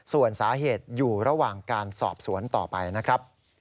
ส่วนสาเหตุอยู่ระหว่างการสอบสวนต่อไปนะครับ